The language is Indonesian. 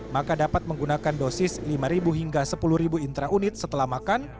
maka dapat menggunakan dosis lima hingga sepuluh intraunit setelah makan